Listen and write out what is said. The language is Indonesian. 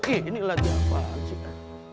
ih ini lagi apaan sih